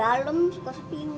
dalem suka sepinggang